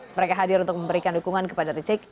mereka hadir untuk memberikan dukungan kepada rizik